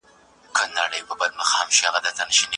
هو موږ يې کولای شو.